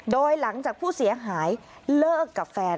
โดยหลังจากผู้เสียหายเลิกกับแฟน